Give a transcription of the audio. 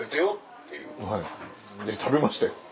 はい食べましたよ。